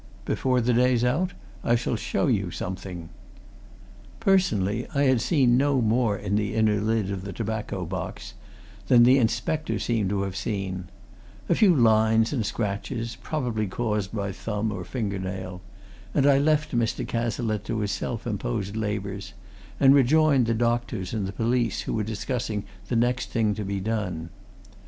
Before the day's out, I shall show you something." Personally, I had seen no more in the inner lid of the tobacco box than the inspector seemed to have seen a few lines and scratches, probably caused by thumb or finger nail and I left Mr. Cazalette to his self imposed labours and rejoined the doctors and the police who were discussing the next thing to be done.